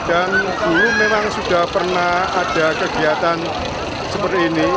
dan dulu memang sudah pernah ada kegiatan seperti ini